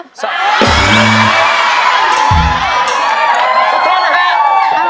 ขอโทษนะครับ